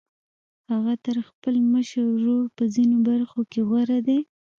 هغه تر خپل مشر ورور په ځينو برخو کې غوره دی.